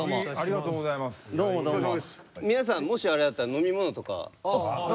皆さんもしあれだったら飲み物とか。